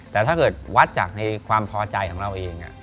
แต่ถ้าเกิดวัดจากในความพอใจของเราเอง